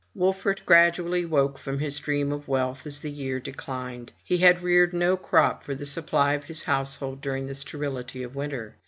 Wolfert gradually woke from his dream of wealth as the year declined. He had reared no crop for the supply of his household during the sterility of winter.